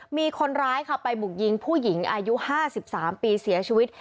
มีคนร้ายค่ะไปบุกยิงผู้หญิงอายุ๕๓ปีเสียชีวิต